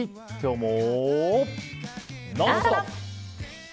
「ノンストップ！」。